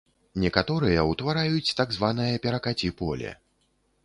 Некаторыя ўтвараюць так званае перакаці-поле.